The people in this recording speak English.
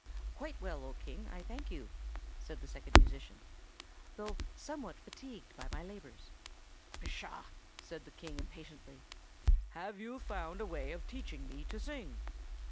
"Quite well, O King, I thank you," replied the Second Musician, "though somewhat fatigued by my labors." "Pshaw!" said the King impatiently. "Have you found a way of teaching me to sing?"